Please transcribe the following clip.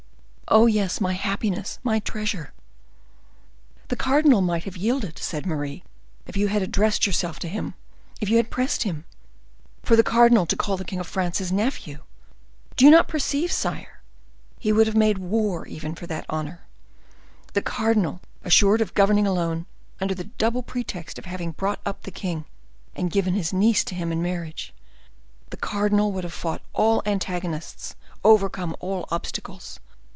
"Oh, yes! my happiness, my treasure!" murmured the king, more gallantly than passionately, perhaps. "The cardinal might have yielded," said Marie, "if you had addressed yourself to him, if you had pressed him. For the cardinal to call the king of France his nephew! do you not perceive, sire? He would have made war even for that honor; the cardinal, assured of governing alone, under the double pretext of having brought up the king and given his niece to him in marriage—the cardinal would have fought all antagonists, overcome all obstacles.